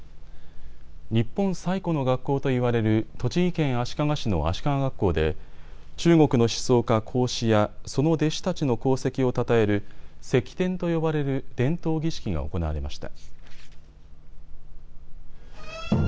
日本最古の学校といわれる栃木県足利市の足利学校で中国の思想家、孔子やその弟子たちの功績をたたえる釋奠と呼ばれる伝統儀式が行われました。